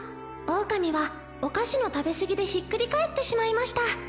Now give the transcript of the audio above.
オオカミはお菓子の食べ過ぎでひっくり返ってしまいました。